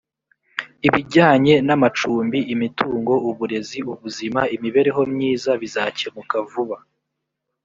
ibijyanye namacumbi imitungo uburezi ubuzima imibereho myiza bizakemuka vuba